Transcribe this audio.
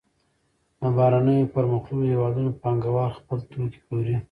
د بهرنیو پرمختللو هېوادونو پانګوال خپل توکي پلوري